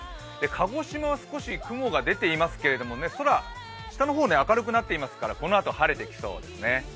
鹿児島は少し雲が出ていますけど空、下の方、明るくなっていますからこのあと晴れてきそうです。